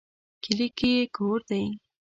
کلي کې یې کور دی